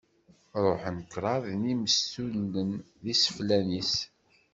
Ṛuḥen kṛaḍ n yimestulen d iseflan-is.